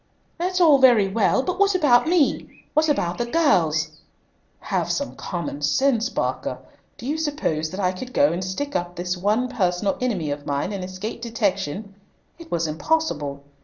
"That's all very well. But what about me? What about the girls?" "Have some common sense, Barker. Do you suppose that I could go and stick up this one personal enemy of mine and escape detection? It was impossible.